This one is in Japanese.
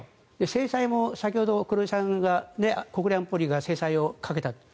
制裁も先ほど黒井さんが国連安保理が制裁をかけたと。